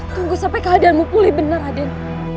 tunggu sampai keadaanmu pulih benar aden